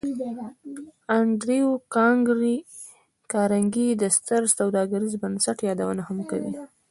د انډریو کارنګي د ستر سوداګریز بنسټ یادونه هم کوو